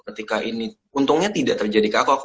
ketika ini untungnya tidak terjadi ke aku